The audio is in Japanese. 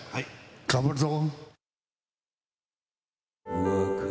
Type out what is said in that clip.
頑張るぞ。